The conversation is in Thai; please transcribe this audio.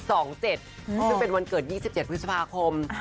ซึ่งเป็นวันเกิด๒๗พฤษภาคม